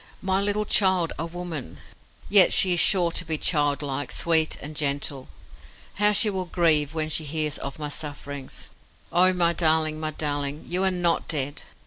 My little child a woman! Yet she is sure to be childlike, sweet, and gentle. How she will grieve when she hears of my sufferings. Oh! my darling, my darling, you are not dead!"